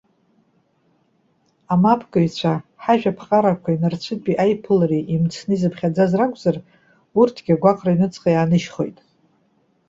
Амапкыҩцәа, ҳажәаԥҟарақәеи нарцәытәи аиԥылареи имцны изыԥхьаӡаз ракәзар, урҭгьы агәаҟра аҩныҵҟа иааныжьхоит.